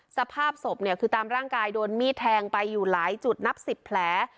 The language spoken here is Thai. สภาพศพเนี่ยคือตามร่างกายโดนมีดแทงไปอยู่หลายจุดนับ๑๐แผล